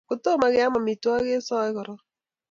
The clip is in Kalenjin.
Kotomo keam amitwogik kisae koron